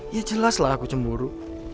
ya jelas lah aku cemburu